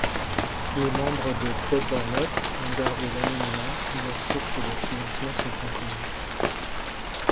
Les membres de PropOrNot ont gardé l'anonymat, et leurs sources de financement sont inconnues.